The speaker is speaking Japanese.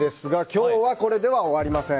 今日はこれでは終わりません。